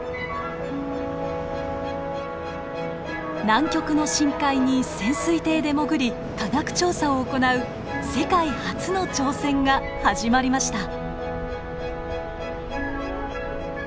南極の深海に潜水艇で潜り科学調査を行う世界初の挑戦が始まりました。